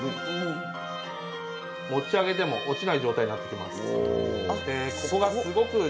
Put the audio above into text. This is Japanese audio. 持ち上げても落ちない状態になってきます。